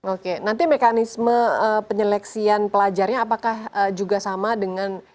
oke nanti mekanisme penyeleksian pelajarnya apakah juga sama dengan